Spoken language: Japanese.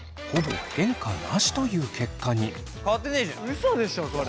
うそでしょこれ。